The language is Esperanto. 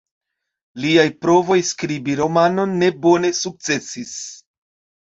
Liaj provoj skribi romanon ne bone sukcesis.